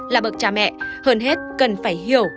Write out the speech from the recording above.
là bậc cha mẹ hơn hết cần phải hiểu